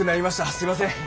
すいません。